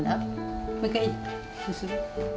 もう一回にする？